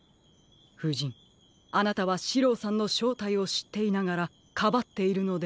ふじんあなたはシローさんのしょうたいをしっていながらかばっているのでは？